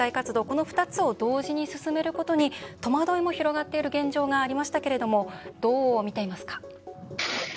この２つを同時に進めることに戸惑いも広がっている現状もありましたけどどう見ていますか？